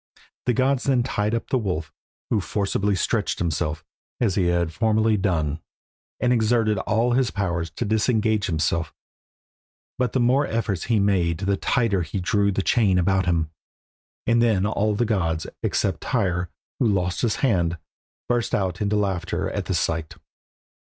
The gods then tied up the wolf, who forcibly stretched himself, as he had formerly done, and exerted all his powers to disengage himself; but the more efforts he made the tighter he drew the chain about him, and then all the gods, except Tyr, who lost his hand, burst out into laughter at the sight.